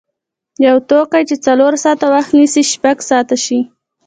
یو توکی چې څلور ساعته وخت نیسي شپږ ساعته شي.